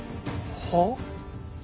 はっ？